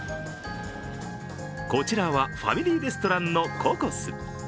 こちらはファミリーレストランのココス。